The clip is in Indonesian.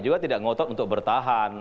juga tidak ngotot untuk bertahan